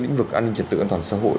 lĩnh vực an ninh trật tự an toàn xã hội